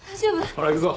ほら行くぞ。